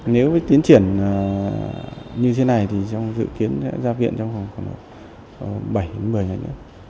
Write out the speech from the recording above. nếu tiến triển như thế này thì dự kiến ra viện trong khoảng thời gian